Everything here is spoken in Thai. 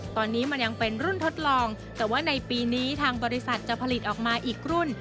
ตอนนี้มันยังเป็นรุ่นทดลองแต่ว่าในปีนี้ทางบริษัทจะผลิตออกมาอีกรุ่น